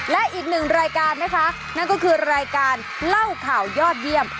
และอีกหนึ่งรายการนะคะนั่นก็คือรายการเล่าข่าวยอดเยี่ยม